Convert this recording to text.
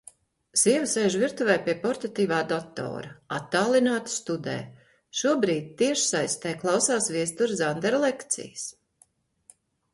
Sieva sēž virtuvē pie portatīvā datora, attālināti studē. Šobrīd tiešsaistē klausās Viestura Zandera lekcijas.